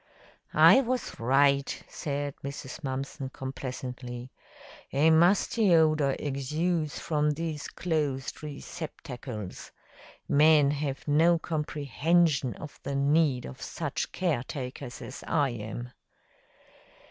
"I was right," said Mrs. Mumpson complacently. "A musty odor exudes from these closed receptercles. Men have no comprehension of the need of such caretakers as I am."